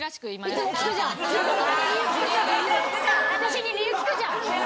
私に理由聞くじゃん。